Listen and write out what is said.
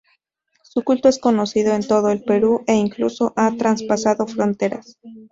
Su culto es conocido en todo el Perú e incluso ha traspasado fronteras.